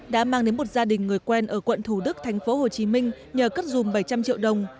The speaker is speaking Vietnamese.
đã mang đến một gia đình người quen ở quận thủ đức tp hcm nhờ cất dùm bảy trăm linh triệu đồng